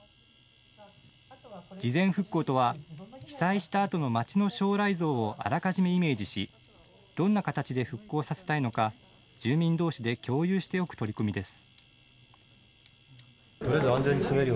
事前復興とは被災したあとの街の将来像をあらかじめイメージしどんな形で復興させたいのか住民どうしで共有しておく取り組みです。